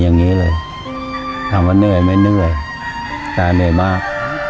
อย่างนี้เลยตามแล้วเนื่อยมั้ยเนื่อยชามดื่มมาก